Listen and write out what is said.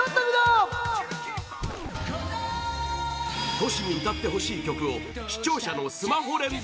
Ｔｏｓｈｌに歌ってほしい曲を視聴者のスマホ連打